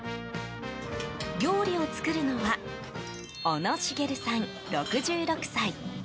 料理を作るのは小野茂さん、６６歳。